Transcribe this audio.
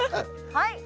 はい。